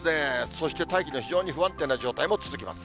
そして大気の非常に不安定な状態も続きます。